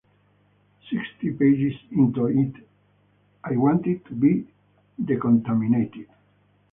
Sixty pages into it, I wanted to be decontaminated.